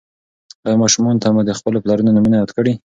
ایا ماشومانو ته مو د خپلو پلرونو نومونه یاد کړي؟